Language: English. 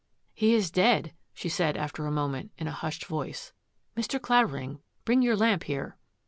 " He is dead !" she said after a moment, in a hushed voice. " Mr. Clavering, bring your lamp here."